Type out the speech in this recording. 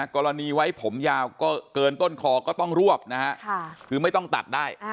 กรณีไว้ผมยาวเกินต้นคอก็ต้องรวบนะฮะคือไม่ต้องตัดได้